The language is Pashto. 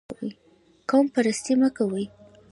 قوم پرستي مه کوئ